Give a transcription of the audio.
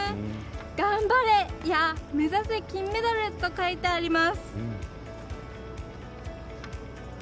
「がんばれ」や「目指せ金メダル」と書いてあります。